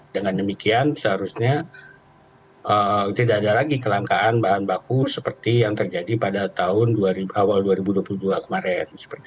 dengan demikian seharusnya tidak ada lagi kelangkaan bahan baku seperti yang terjadi pada awal dua ribu dua puluh dua kemarin